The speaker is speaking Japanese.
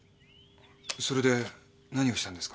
それで何をしたんですか？